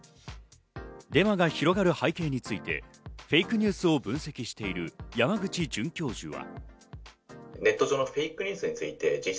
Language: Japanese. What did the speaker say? デマが広がる背景について、フェイクニュースを分析している山口准教授は。